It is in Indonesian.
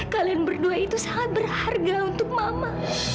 kalian berdua itu sangat berharga untuk mama